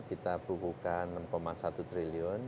kita bubukan rp enam satu triliun